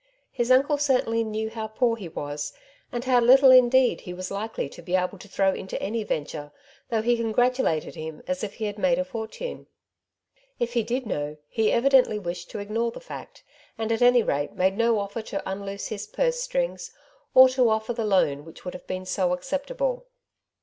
His uncle certainly knew how poor he was, and how little indeed he was likely to be able to throw into any venture, though he congratulated him as if he had made a fortune. If he did know, he evidently wished to ignore the fact, and at any rate made no offer to unloose his purse strings, or to offer the I 124 " Tzvo Sides to every Question^ loan whicli would have been so acceptable."